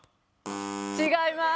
違います。